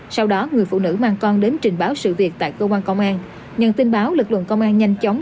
sau đó người phụ nữ mang con đến trình báo sự việc tại cơ quan công an nhận tin báo lực lượng công an nhanh chóng